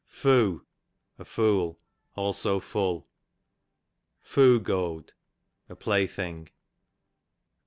Foo, a fool ; also full: Foo goad, a play thing.